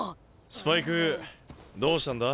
スパイクどうしたんだ？